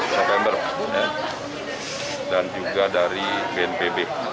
tiga belas november dan juga dari bnpb